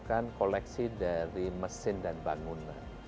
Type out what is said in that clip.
ini bukan koleksi dari mesin dan bangunan